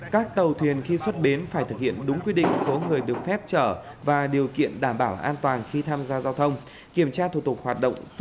các tàu thuyền khi xuất đến phải thực hiện đúng quy định số người được phép chở và điều kiện đảm bảo an toàn khi tham gia giao thông